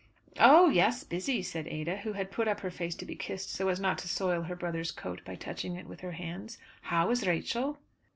"Oh, yes, busy!" said Ada, who had put up her face to be kissed so as not to soil her brother's coat by touching it with her hands. "How is Rachel?"